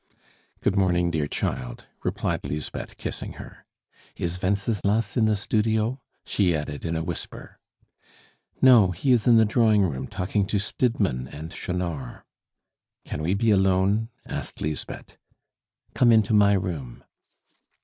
"Good morning, dear child," replied Lisbeth, kissing her. "Is Wenceslas in the studio?" she added in a whisper. "No; he is in the drawing room talking to Stidmann and Chanor." "Can we be alone?" asked Lisbeth. "Come into my room."